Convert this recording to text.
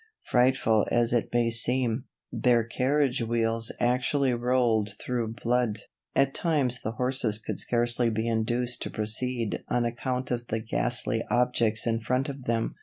Frightful as it may seem, their carriage wheels actually rolled through blood. At times the horses could scarcely be induced to proceed on account of the ghastly objects in front of them.